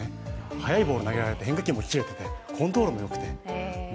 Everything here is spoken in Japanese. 速いボール投げられて、変化球もキレていてコントロールもよくて。